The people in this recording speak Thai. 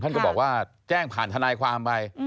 ก็บอกว่าแจ้งผ่านทนายความไป